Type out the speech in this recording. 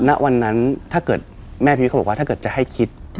ณวันนั้นถ้าเกิดแม่พี่วิทเขาบอกว่าถ้าเกิดจะให้คิด